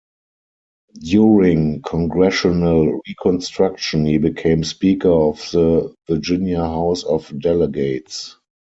During Congressional Reconstruction he became Speaker of the Virginia House of Delegates.